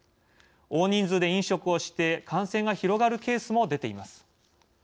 大人数で飲食をして感染が広がるケースも出ています。